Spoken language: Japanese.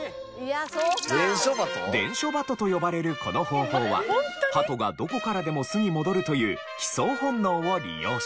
伝書鳩と呼ばれるこの方法は鳩がどこからでも巣に戻るという帰巣本能を利用し。